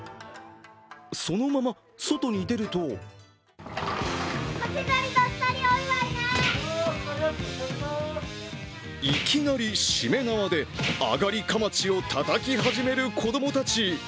そのまま外に出るといきなり、注連縄で上がりかまちをたたき始める子供たち。